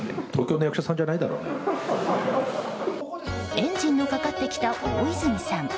エンジンのかかってきた大泉さん。